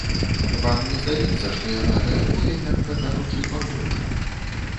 Вам не здаецца, што яна рэагуе, мякка кажучы, павольна?